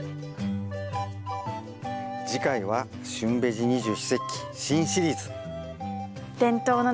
次回は「旬ベジ二十四節気新シリーズ」。